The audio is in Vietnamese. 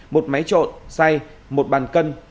một máy trộn xay một bàn cân